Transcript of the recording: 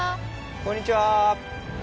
こんにちは。